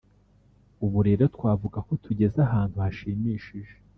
ubu rero twavuga ko tugeze ahantu hashimishije